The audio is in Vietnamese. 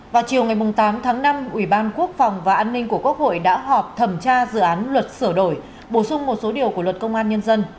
vào chiều ngày tám tháng năm ủy ban quốc phòng và an ninh của quốc hội đã họp thẩm tra dự án luật sửa đổi bổ sung một số điều của luật công an nhân dân